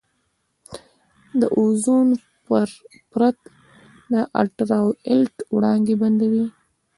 د اوزون پرت الټراوایلټ وړانګې بندوي.